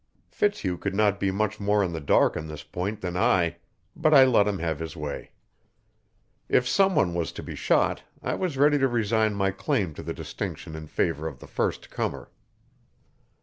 Fitzhugh could not be much more in the dark on this point than I, but I let him have his way. If some one was to be shot, I was ready to resign my claim to the distinction in favor of the first comer.